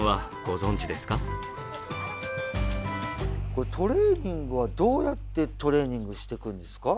これトレーニングはどうやってトレーニングしていくんですか？